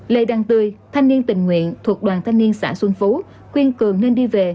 lê đăng tươi thanh niên tình nguyện thuộc đoàn thanh niên xã xuân phú khuyên cường nên đi về